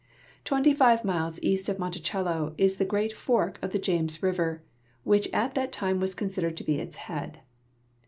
Twenty five miles east of Monticello is the great fork of the James river, which at that time was considered to be its head.